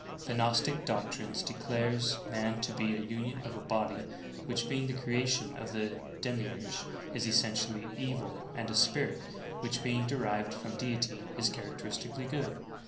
The Gnostic doctrine declares man to be a union of a body, which, being the creation of the Demiurge, is essentially evil, and a spirit, which, being derived from Deity, is characteristically good.